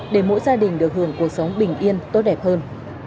để mỗi gia đình được hưởng cuộc sống bình yên tốt đẹp hơn